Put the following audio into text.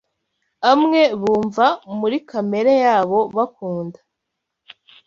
amwe bumva muri kamere yabo bakunda